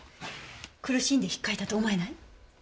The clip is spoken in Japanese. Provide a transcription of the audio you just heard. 苦しんで引っかいたと思えない？